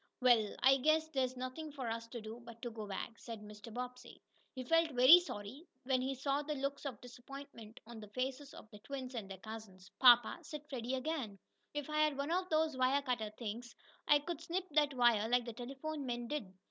"Well, I guess there's nothing for us to do but to go back," said Mr. Bobbsey. He felt very sorry, when he saw the looks of disappointment on the faces of the twins and their cousins. "Papa," said Freddie again, "if I had one of those wire cutter things, I could snip that wire like the telephone men did."